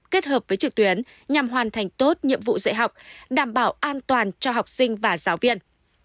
kết hợp với trực tuyến nhằm hoàn thành tốt nhiệm vụ dạy học đảm bảo an toàn cho học sinh và giáo viên